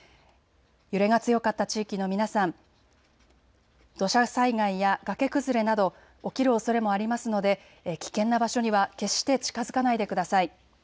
揺れが強かった地域の皆さん、土砂災害や崖崩れなど起きるおそれもありますので危険な場所には決して近づかないでください。